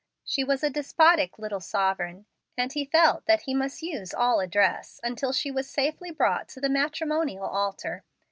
She was a despotic little sovereign, and he felt that he must use all address until she was safely brought to the matrimonial altar.